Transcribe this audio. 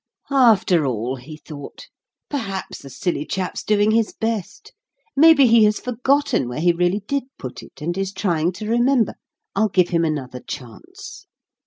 "After all," he thought, "perhaps the silly chap's doing his best. Maybe he has forgotten where he really did put it, and is trying to remember. I'll give him another chance."